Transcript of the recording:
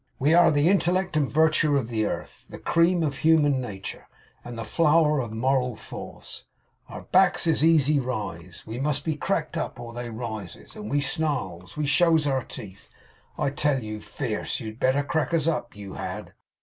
We are the intellect and virtue of the airth, the cream of human natur', and the flower Of moral force. Our backs is easy ris. We must be cracked up, or they rises, and we snarls. We shows our teeth, I tell you, fierce. You'd better crack us up, you had!